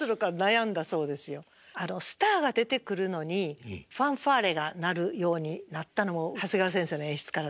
あのスターが出てくるのにファンファーレが鳴るようになったのも長谷川先生の演出からです。